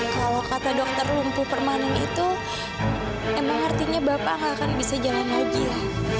kalau kata dokter lumpuh permanen itu emang artinya bapak nggak akan bisa jalan haji ya